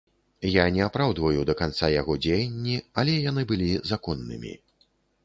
Я не апраўдваю да канца яго дзеянні, але яны былі законнымі.